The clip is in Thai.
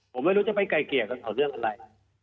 ผมไม่รู้จะไปไกลเกลี่ยกันเขาเรื่องอะไร